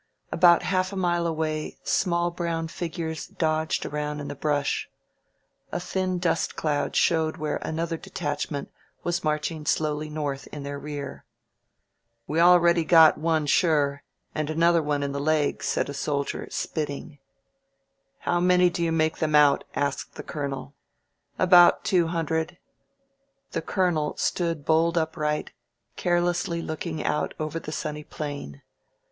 About half a mile away small brown figures dodged around in the brush. A thin dust cloud showed where another detachment was marching slowly north in their rear. We already got one sure, and another one in the leg," said a soldier, spitting. How many do you make them out?" asked the colo nel. "About two hundred." The Colonel stood bolt upright, carelessly looking out over the sunny plain.